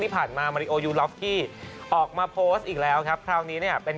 ที่ผ่านมามาริโอยูล็อกกี้ออกมาโพสต์อีกแล้วครับคราวนี้เนี่ยเป็น